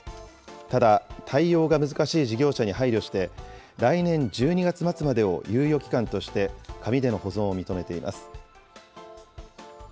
ただ、対応が難しい事業者に配慮して、来年１２月末までを猶予期間として紙での保存を認めています。